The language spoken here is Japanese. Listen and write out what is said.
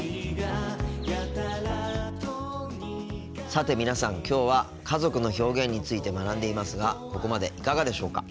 さて皆さんきょうは家族の表現について学んでいますがここまでいかがでしょうか。